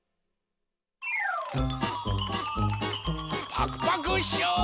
パクパクショー！